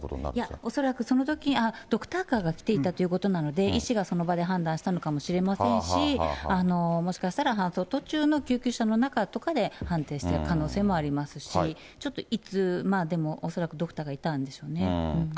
いや、恐らくそのとき、ドクターカーが来ていたということなので、医師がその場で判断したのかもしれませんし、もしかしたら搬送途中に救急車の中とかで判定してる可能性もありますし、ちょっといつ、まあでも、恐らくドクターがいたんでしょうね。